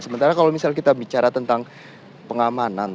sementara kalau misalnya kita bicara tentang pengamanan